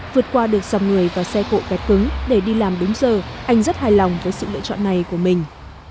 vượt qua được dòng người và xe cộ kẹt cứng để đi làm đúng giờ anh rất hài lòng với sự lựa chọn này của mình